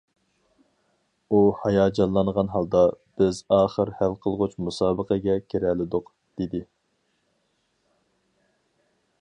ئۇ ھاياجانلانغان ھالدا: بىز ئاخىر ھەل قىلغۇچ مۇسابىقىگە كىرەلىدۇق، دېدى.